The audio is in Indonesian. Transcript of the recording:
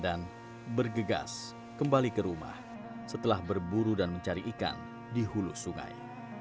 bergegas kembali ke rumah setelah berburu dan mencari ikan di hulu sungai